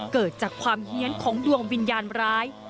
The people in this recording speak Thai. เกิดจากความเฮียนของดวงวิญญาณร้าย